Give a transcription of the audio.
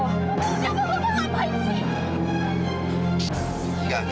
ya pak pak pak apaan sih